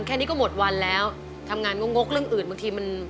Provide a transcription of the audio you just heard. แค่นี้ก็หมดวันแล้วทำงานงกเรื่องอื่นบางทีมัน